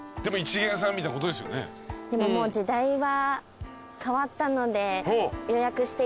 でももう時代は変わったので。